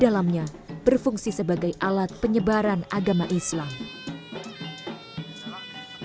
dalamnya berfungsi sebagai alat penyebaran agama islam